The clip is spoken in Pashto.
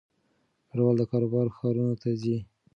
کډوال د کار لپاره ښارونو ته ځي.